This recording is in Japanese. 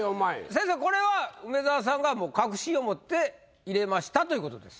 先生これは梅沢さんがもう確信を持って入れましたということです。